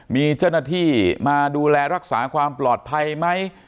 มีเจ้าหน้าที่มาดูแลรักษาความปลอดภัยไหม